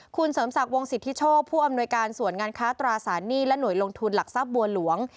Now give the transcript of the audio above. คุณเสริมศักดิ์วงสิทธิโชคผู้อำนวยการส่วนงานค้าตราสารหนี้และหน่วยลงทุนหลักทรัพย์บัวหลวง